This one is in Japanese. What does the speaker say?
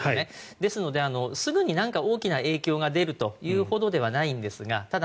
ですので、すぐに何か大きな影響が出るというほとではないんですがただ、